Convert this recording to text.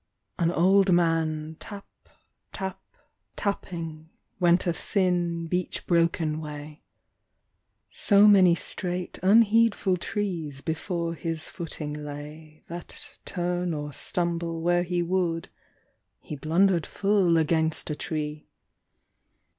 BLIND. AN old man, tap, tap, tapping went A thin, beech broken way. So many straight, unheedful trees Before his footing lay, That turn or stumble where he would He blundered full against a tree.